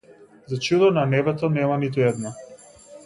За чудо, на небото нема ниту една.